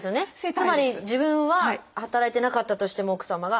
つまり自分は働いてなかったとしても奥様が。